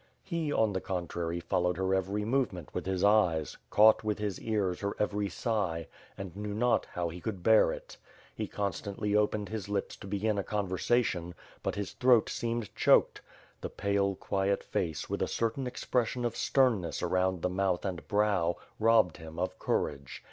He, on the contrary, followed her every move ment with his eyes, caught, with his ears, her every sigh — and knew not how he could bear it. He constantly opened his WITU FIRE AND SWORD, 449 lips to begin a conversation, but his throat seemed choked. The pale, quiet face, with a certain expression of sternness around the mouth and brow, robbed him of courage.